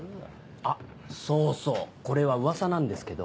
あっそうそうこれは噂なんですけど。